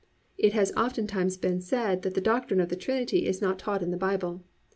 It has oftentimes been said that the doctrine of the Trinity is not taught in the Bible.